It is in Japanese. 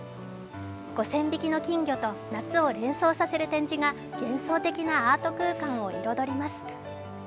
５０００匹の金魚と夏を連想させる展示が幻想的なアート空間を彩ります。